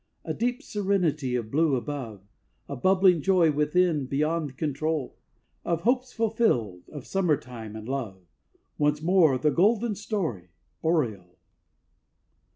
A deep serenity of blue above, A bubbling joy within beyond control. Of hopes fulfilled, of Summertime and love— Once more the golden story, Oriole!